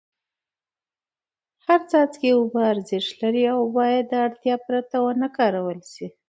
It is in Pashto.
هر څاڅکی اوبه ارزښت لري او باید د اړتیا پرته ونه کارول سي.